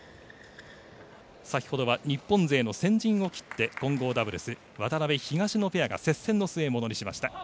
先ほどは日本勢の先陣を切って混合ダブルス渡辺、東野ペアが接戦の末ものにしました。